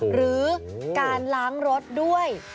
หรือการล้างรถด้วย